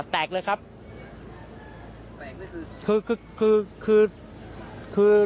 แตกเลยครับคือคือ